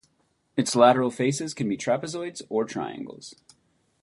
Its lateral faces can be trapezoids or triangles.